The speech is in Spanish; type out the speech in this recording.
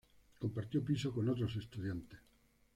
Compartió piso con otros estudiantes.